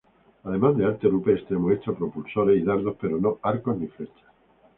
Además de arte rupestre muestra propulsores y dardos, pero no arcos ni flechas.